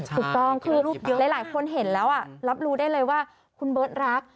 ถูกต้องคือหลายคนเห็นแล้วรับรู้ได้เลยว่าคุณเบิร์ตรัก